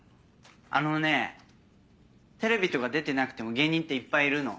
あのねテレビとか出てなくても芸人っていっぱいいるの。